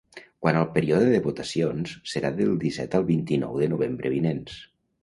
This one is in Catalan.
Quant al període de votacions, serà del disset al vint-i-nou de novembre vinents.